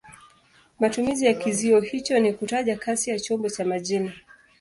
Matumizi ya kizio hicho ni kutaja kasi ya chombo cha majini.